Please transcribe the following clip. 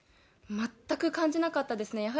全く感じなかったですね。